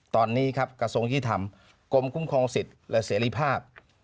ตอนนี้ครับกระทรวงยี่ธรรมกรมคุ้มครองสิทธิ์และเสรีภาพ